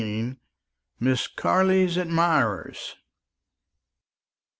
MISS CARLEY'S ADMIRERS.